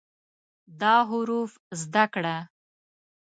دا حروف زده کړه